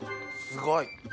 すごい！